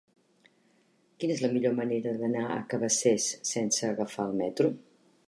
Quina és la millor manera d'anar a Cabacés sense agafar el metro?